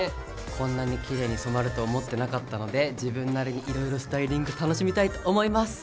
こんなにきれいに染まると思ってなかったので自分なりにいろいろスタイリング楽しみたいと思います。